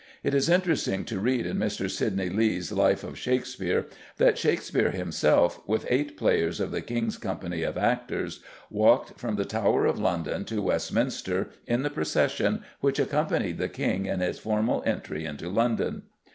It is interesting to read in Mr. Sidney Lee's Life of Shakespeare that Shakespeare himself, with eight players of the King's company of actors, walked "from the Tower of London to Westminster in the procession which accompanied the King in his formal entry into London."